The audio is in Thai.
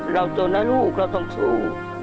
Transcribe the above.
เราจนนะลูกเราต้องสู้